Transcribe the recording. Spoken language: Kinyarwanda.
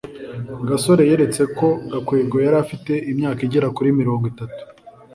gasore yaketse ko gakwego yari afite imyaka igera kuri mirongo itatu